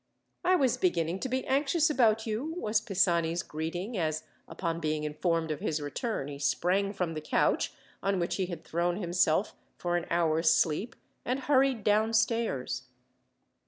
"I was beginning to be anxious about you," was Pisani's greeting, as, upon being informed of his return, he sprang from the couch, on which he had thrown himself for an hour's sleep, and hurried downstairs.